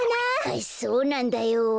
ああそうなんだよ。